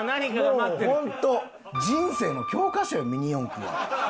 もうホント人生の教科書よミニ四駆は。